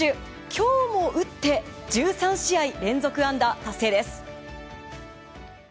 今日も打って１３試合連続安打達成です。